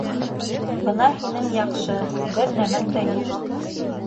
Бына һинең яҡшы, бер нәмәң дә юҡ.